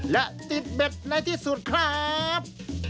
และติดเบ็ดในที่สุดครับ